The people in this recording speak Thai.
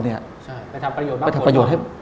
ไปทำประโยชน์บ้างกว่า